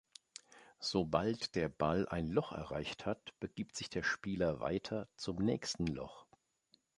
Sobald der Ball ein Loch erreicht hat, begibt sich der Spieler weiter zum nächsten Loch.